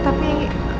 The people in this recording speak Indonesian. itu mungkin atau ya